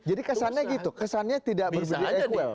jadi kesannya gitu kesannya tidak berdiri equal